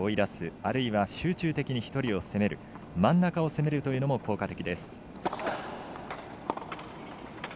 あるいは集中的に１人を攻める真ん中を攻めるというのも効果的です。